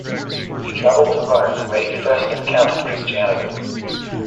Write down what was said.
He traveled to Rome, where he first encountered Christianity.